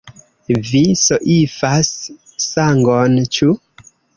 Vi soifas sangon, ĉu?